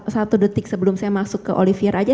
satu detik sebelum saya masuk ke olivier aja